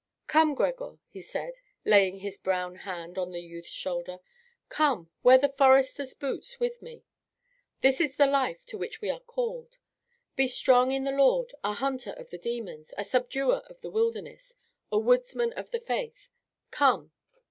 "Come, Gregor," he said, laying his brown hand on the youth's shoulder, "come, wear the forester's boots with me. This is the life to which we are called. Be strong in the Lord, a hunter of the demons, a subduer of the wilderness, a woodsman of the faith. Come."